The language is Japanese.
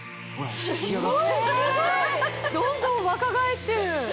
すごい！どんどん若返ってる！